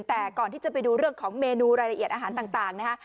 แต่ก่อนที่จะไปดูเรื่องของเมนูรายละเอียดอาหารต่างนะฮะ